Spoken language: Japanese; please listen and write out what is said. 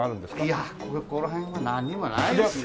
いやここら辺はなんにもないですよ。